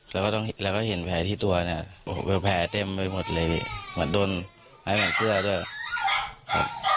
แล้วก็เห็นแผลที่ตัวเนี่ยแผลเต็มไปหมดเลยเหมือนโดนไม้แผ่นเสื้อด้วย